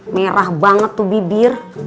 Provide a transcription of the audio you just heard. merah banget tuh bibir